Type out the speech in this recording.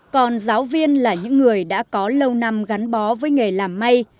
còn giáo viên là những người đã có lâu năm gắn bó với nghề làm may